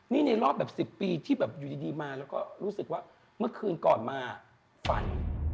นี่ในรอบแบบ๑๐ปีที่แบบอยู่ดีมาแล้วก็รู้สึกว่าเมื่อคืนก่อนมาฝัน